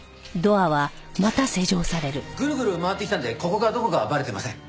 ぐるぐる回ってきたんでここがどこかはバレてません。